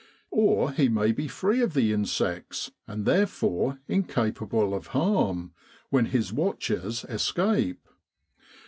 Or he may be free of the insects and therefore incapable of harm, when his watchers escape.